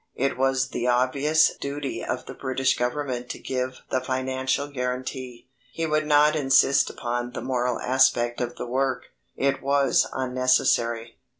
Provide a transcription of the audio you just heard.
It was the obvious duty of the British Government to give the financial guarantee. He would not insist upon the moral aspect of the work it was unnecessary.